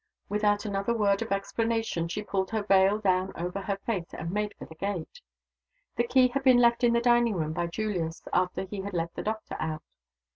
Without another word of explanation she pulled her veil down over her face, and made for the gate. The key had been left in the dining room by Julius, after he had let the doctor out.